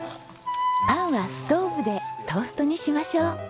パンはストーブでトーストにしましょう。